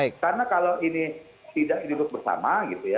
karena kalau ini tidak duduk bersama